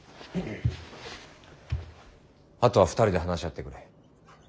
あとは２人で話し合ってくれ。